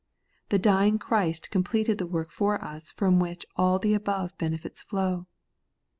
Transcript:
The dying Christ completed the work for us from which all the above benefits flow.